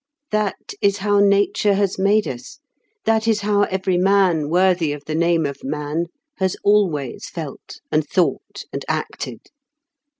That is how nature has made us; that is how every man worthy of the name of man has always felt, and thought, and acted.